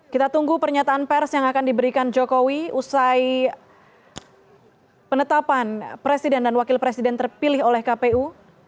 kita tunggu pernyataan pers yang akan diberikan jokowi usai penetapan presiden dan wakil presiden terpilih oleh kpu